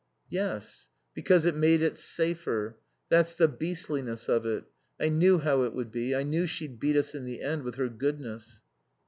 "Yes. Because it made it safer. That's the beastliness of it. I knew how it would be. I knew she'd beat us in the end with her goodness."